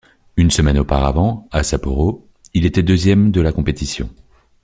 Une semaine auparavant, à Sapporo, il était deuxième de la compétition.